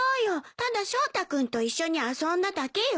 ただショウタ君と一緒に遊んだだけよ。